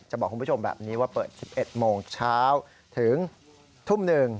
บอกคุณผู้ชมแบบนี้ว่าเปิด๑๑โมงเช้าถึงทุ่ม๑